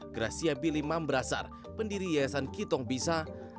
gracia bili mam brasar pendiri yayasan kitong bisa